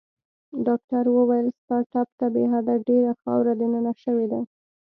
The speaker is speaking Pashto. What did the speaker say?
ډاکټر وویل: ستا ټپ ته بې حده ډېره خاوره دننه شوې ده.